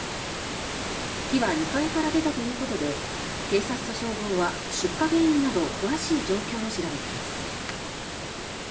火は２階から出たということで警察と消防は出火原因など詳しい状況を調べています。